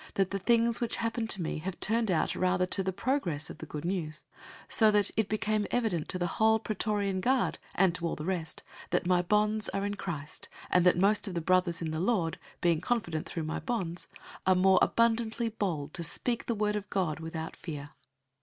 "} that the things which happened to me have turned out rather to the progress of the Good News; 001:013 so that it became evident to the whole praetorian guard, and to all the rest, that my bonds are in Christ; 001:014 and that most of the brothers in the Lord, being confident through my bonds, are more abundantly bold to speak the word of God without fear.